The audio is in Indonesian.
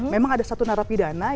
memang ada satu narapidana